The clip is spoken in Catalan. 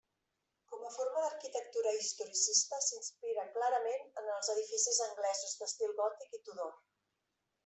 Com a forma d'arquitectura historicista, s'inspira clarament en els edificis anglesos d'estil gòtic i Tudor.